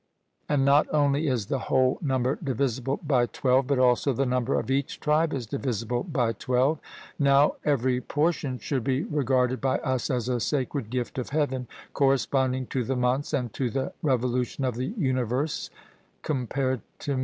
And not only is the whole number divisible by twelve, but also the number of each tribe is divisible by twelve. Now every portion should be regarded by us as a sacred gift of Heaven, corresponding to the months and to the revolution of the universe (compare Tim.).